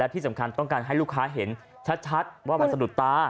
ต้องการให้ลูกค้าเห็นชัดว่ามันสะดุดตา